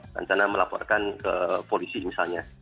rencana melaporkan ke polisi misalnya